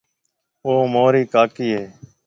او مهارِي ڪاڪِي هيَ۔